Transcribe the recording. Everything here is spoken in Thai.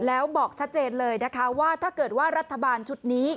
แล้วบอกชัดเจนเลยนะคะว่าถ้าเกิดว่ารัฐบาลชุดนี้